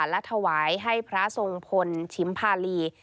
และถวายให้พระทรงพลชิมพาลี